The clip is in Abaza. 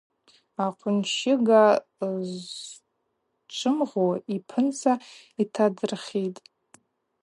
Ахӏвынщыга зчвымгъу йпынцӏа йтадрыхӏитӏ.